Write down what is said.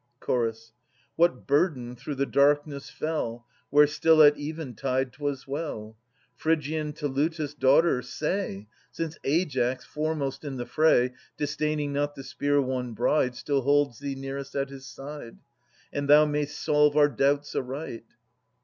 Chorus. What burden through the darkness fell Where still at eventide 'twas well ? Phrygian Teleutas' daughter, say; Since Aias, foremost in the fray, Disdaining not the spear won bride, Still holds thee nearest at his side, And thou may'st solve our doubts aright.